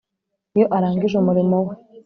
Iyo arangije umurimo we